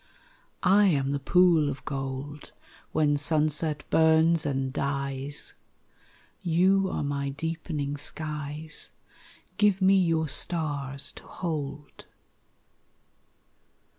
I am the pool of gold When sunset burns and dies You are my deepening skies; Give me your stars to hold.